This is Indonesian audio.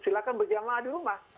silakan berjamaah di rumah